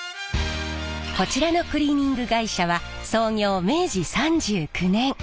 こちらのクリーニング会社は創業明治３９年。